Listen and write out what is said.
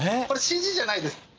これＣＧじゃないです。